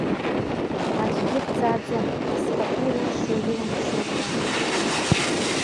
Аӡәгьы дҵааӡом асҟатәи рылшоу ирылымшоу ҳәа.